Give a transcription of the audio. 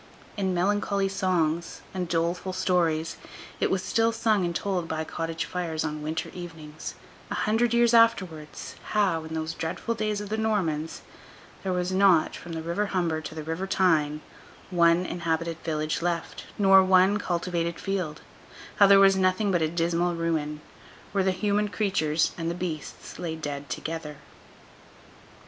In melancholy songs, and doleful stories, it was still sung and told by cottage fires on winter evenings, a hundred years afterwards, how, in those dreadful days of the Normans, there was not, from the River Humber to the River Tyne, one inhabited village left, nor one cultivated field—how there was nothing but a dismal ruin, where the human creatures and the beasts lay dead together.